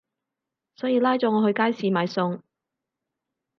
所以拉咗我去街市買餸